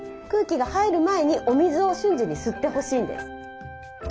空気が入る前にお水を瞬時に吸ってほしいんです。